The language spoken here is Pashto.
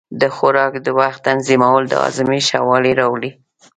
د خوراک وخت تنظیمول د هاضمې ښه والی راولي.